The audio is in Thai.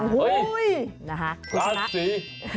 โอ้โหราศี